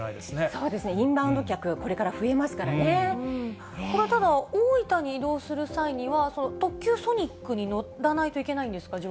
そうですね、インバウンド客、これはただ、大分に移動する際には、特急ソニックに乗らないといけないんですか？